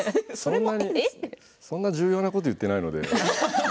そんなに重要なことを言ってないので。